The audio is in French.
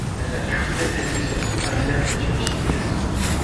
La pureté était surtout affaire liturgique.